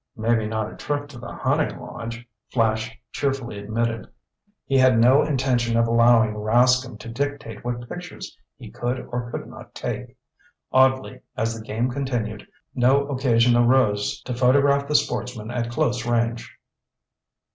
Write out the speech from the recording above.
"Maybe not a trip to the hunting lodge," Flash cheerfully admitted. He had no intention of allowing Rascomb to dictate what pictures he could or could not take. Oddly, as the game continued, no occasion arose to photograph the sportsman at close range.